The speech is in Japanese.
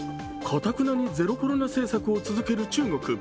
かたくなにゼロコロナ政策を続ける中国。